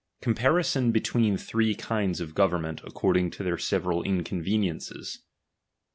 COMPARISON BETWEEN THREE KINDS OF GOVERNMENT ACCORDING TO THEIR SEVERAL INCONVENIENCES.